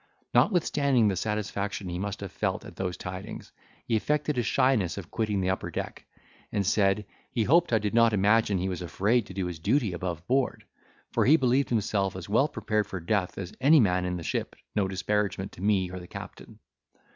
Notwithstanding the satisfaction he must have felt at those tidings, he affected a shyness of quitting the upper deck; and said, he hoped I did not imagine he was afraid to do his duty above board; for he believed himself as well prepared for death as any man in the ship, no disparagement to me or the captain.